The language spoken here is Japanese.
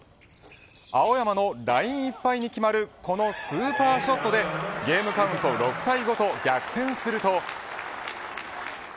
青山のラインいっぱいに決まるこのスーパーショットでゲームカウント６対５と逆転すると。